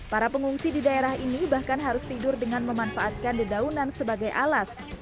para pengungsi di daerah ini bahkan harus tidur dengan memanfaatkan dedaunan sebagai alas